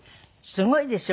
すごいですよ。